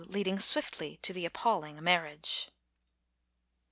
LEADING SWIFTLY TO THE APPALLING MARRIAGE.